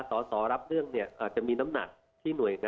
สสรับเรื่องแบบนี้ได้มั้ย